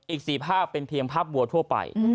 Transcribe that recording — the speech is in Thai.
อีก๔ภาพเป็นเพียงภาพวัวทั่วไป